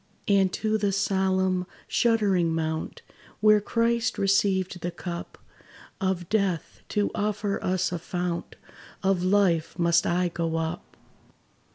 And to the solemn, shuddering mount, Where Christ received the cup Of death, to offer us a fount Of life, must I go up.